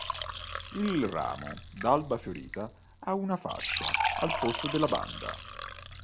Il ramo d'Albafiorita ha una fascia al posto della banda.